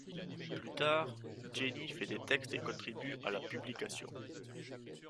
Plus tard, Jenny fait des textes et contribue à la publication.